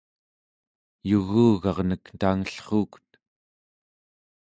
yugugarnek tangellruukut